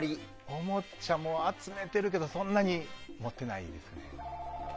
おもちゃも集めているけどそんなに持ってないですね。